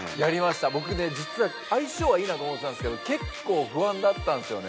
僕ね実は相性はいいなと思ってたんですけど結構不安だったんですよね。